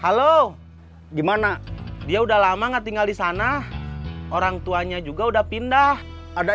halo gimana dia udah lama nggak tinggal di sana orang tuanya juga udah pindah ada